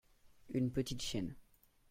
une petite chienne.